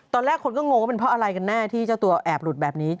ตอนแรกคนก็งงว่าเป็นเพราะอะไรกันแน่ที่เจ้าตัวแอบหลุดแบบนี้